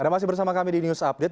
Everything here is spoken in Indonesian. anda masih bersama kami di news update